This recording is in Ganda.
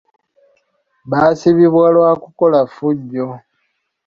Baasibibwa lwa kukola ffujjo.